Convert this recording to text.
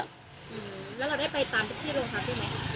แล้วเราได้ไปตามที่โรงพักษณ์ได้ไหม